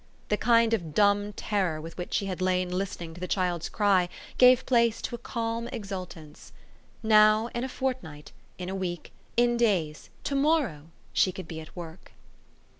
The kind of dumb terror with which she had lain listen ing to the child's cry gave place to a calm exult ance. Now, in a fortnight, in a week, in days, to morrow, she could be at work.